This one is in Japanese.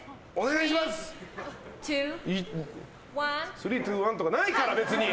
３、２、１とかないから！